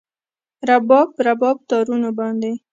رباب، رباب تارونو باندې